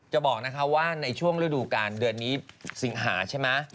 จะบอกนะคะว่าในช่วงฤดูการเดือนนี้สิงหาใช่ไหม